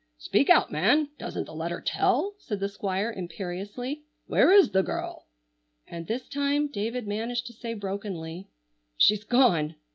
"Speak out, man, doesn't the letter tell?" said the Squire imperiously. "Where is the girl?" And this time David managed to say brokenly: "She's gone!"